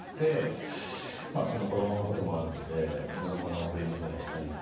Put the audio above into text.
子供のこともあるので子供の送り迎えしたりとか。